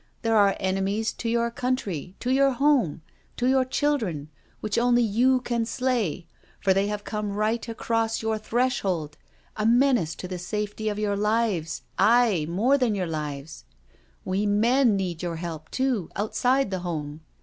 There are enemies to your country, to your home, to your chil dren, which only you can slay, for they have come right across your threshold, a menace to the safety of your lives, aye, more than your lives. We men need your help, too, outside the home.